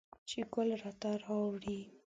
چې ګل راته راوړي